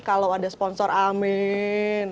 kalau ada sponsor amin